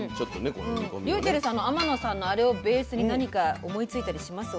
ｒｙｕｃｈｅｌｌさん天野さんのあれをベースに何か思いついたりします？